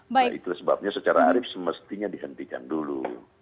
nah itu sebabnya secara arif semestinya dihentikan dulu